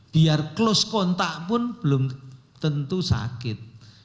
biar close kontak pun belum tentu sakit